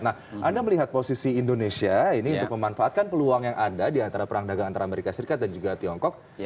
nah anda melihat posisi indonesia ini untuk memanfaatkan peluang yang ada di antara perang dagang antara amerika serikat dan juga tiongkok